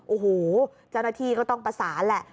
โอ้โหเจ้าหน้าที่ก็ต้องประสานแหละ